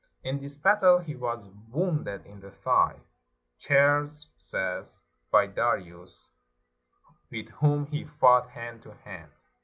In this battle he was wounded in the thigh, Chares says by Darius, with whom he fought hand to hand.